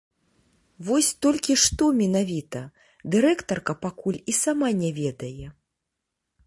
Вось толькі што менавіта, дырэктарка пакуль і сама не ведае.